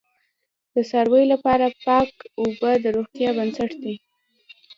د څارویو لپاره پاک اوبه د روغتیا بنسټ دی.